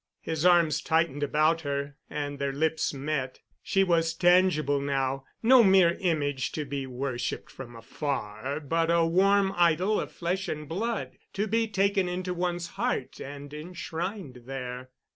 His arms tightened about her, and their lips met. She was tangible now—no mere image to be worshipped from afar, but a warm idol of flesh and blood, to be taken into one's heart and enshrined there.